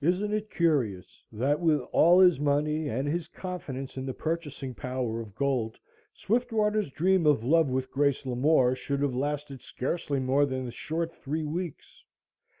] Isn't it curious, that with all his money, and his confidence in the purchasing power of gold, Swiftwater's dream of love with Grace Lamore should have lasted scarcely more than a short three weeks?